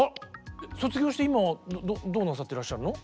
卒業して今はどうなさってらっしゃるの？